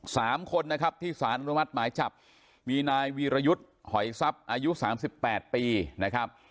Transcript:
สามคนนะครับที่สารอนุมัติหมายจับมีนายวีรยุทธ์หอยทรัพย์อายุสามสิบแปดปีนะครับ